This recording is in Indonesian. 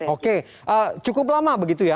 oke cukup lama begitu ya